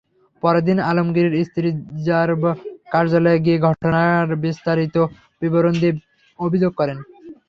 পরদিন আলমগীরের স্ত্রী র্যাব কার্যালয়ে গিয়ে ঘটনার বিস্তারিত বিবরণ দিয়ে অভিযোগ করেন।